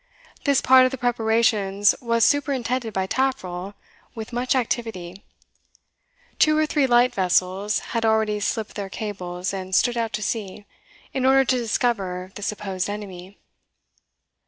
This part of the preparations was superintended by Taffril with much activity. Two or three light vessels had already slipped their cables and stood out to sea, in order to discover the supposed enemy.